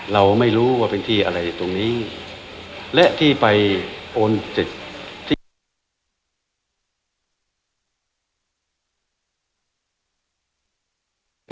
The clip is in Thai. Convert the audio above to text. เราไม่รู้ว่าเป็นที่อะไรตรงนี้และที่ไปโอนสิทธิ์ที่